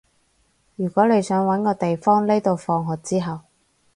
如果你想搵個地方匿到放學之後